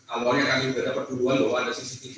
awalnya kami berdapat tuduhan bahwa ada cctv